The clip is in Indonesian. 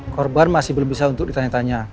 korban masih belum bisa untuk ditanya tanya